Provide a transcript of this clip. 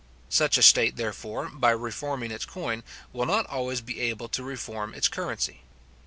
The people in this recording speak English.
Such a state, therefore, by reforming its coin, will not always be able to reform its currency.